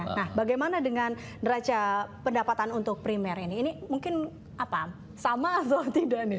nah bagaimana dengan neraca pendapatan untuk primer ini ini mungkin apa sama atau tidak